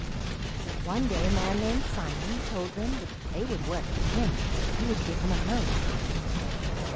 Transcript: One day a man named Simon told them if they would work for him he would give them a home.